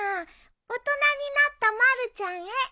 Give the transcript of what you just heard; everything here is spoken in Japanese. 大人になったまるちゃんへ。